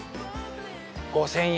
５０００円